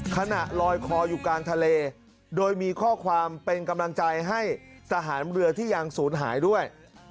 ขณะลอยคออยู่กลางทะเลโดยมีข้อความเป็นกำลังใจให้ทหารเรือที่ยังศูนย์หายด้วย